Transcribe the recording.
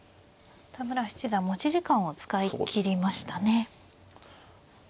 田村七段持ち時間を使い切りましたね。